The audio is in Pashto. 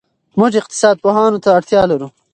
موږ اقتصاد پوهانو ته اړتیا لرو.